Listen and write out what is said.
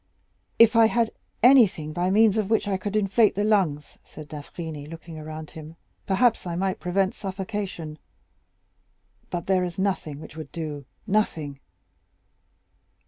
"If I had anything by means of which I could inflate the lungs," said d'Avrigny, looking around him, "perhaps I might prevent suffocation. But there is nothing which would do!—nothing!"